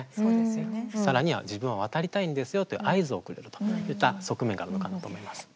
さらには、自分は渡りたいんですよという合図を送れるといった側面があるのかなと思います。